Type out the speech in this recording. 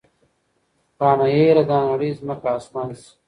رانه هېره دا نړۍ ځمکه اسمان شي